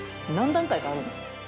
何段階かあるんですよ